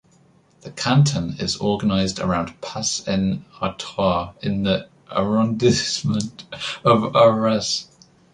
The canton is organised around Pas-en-Artois in the arrondissement of Arras.